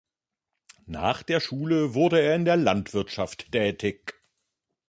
Nach der Schule wurde er in der Landwirtschaft tätig.